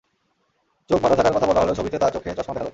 চোখ বাঁধা থাকার কথা বলা হলেও ছবিতে তাঁর চোখে চশমা দেখা যাচ্ছে।